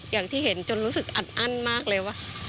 อย่างที่เห็นจนรู้สึกอัดอั้นมากเลยว่า